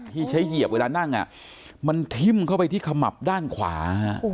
ที่ใช้เหยียบเวลานั่งมันทิ้มเข้าไปที่ขมับด้านขวา